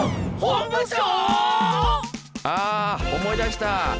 あ思い出した。